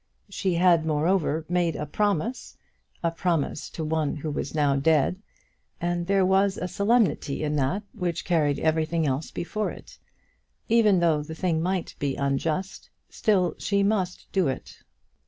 She had, moreover, made a promise, a promise to one who was now dead, and there was a solemnity in that which carried everything else before it. Even though the thing might be unjust, still she must do it.